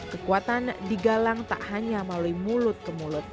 kekuatan digalang tak hanya melalui mulut ke mulut